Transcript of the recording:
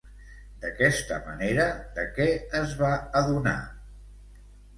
D'aquesta manera, de què es va adonar?